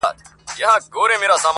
• یو څو شپې د عدالت کوي غوښتنه -